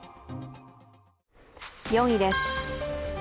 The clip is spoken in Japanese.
４位です。